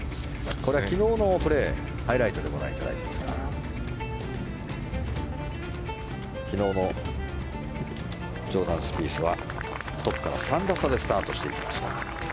これは昨日のプレーハイライトでご覧いただいていますが昨日のジョーダン・スピースはトップから３打差でスタートしていきました。